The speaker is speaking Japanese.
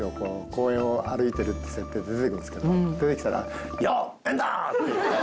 公園を歩いてるって設定で出てくるんですけど出てきたら。